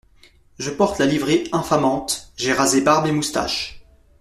Je porte la livrée infamante, j’ai rasé barbe et moustache…